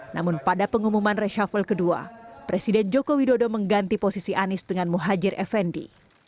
namun pada pengumuman reshuffle kedua presiden joko widodo mengganti posisi anies dengan muhajir effendi